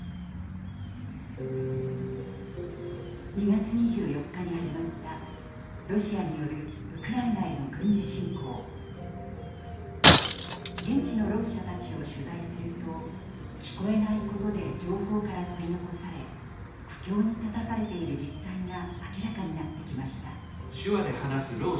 ２月２４日に始まったロシアによる現地のろう者たちを取材すると聞こえないことで情報から取り残され苦境に立たされている実態が明らかになってきました。